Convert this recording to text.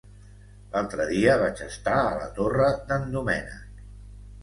L'altre dia vaig estar a la Torre d'en Doménec.